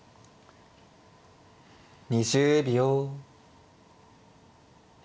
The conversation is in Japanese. ２０秒。